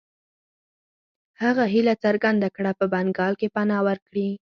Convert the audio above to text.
هغه هیله څرګنده کړه په بنګال کې پناه ورکړي.